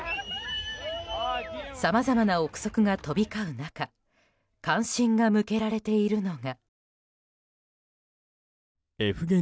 さまざまな憶測が飛び交う中関心が向けられているのが。